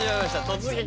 「突撃！